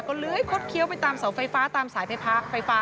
ก็เลยคลดเคี้ยวไปจากสายไฟฟ้า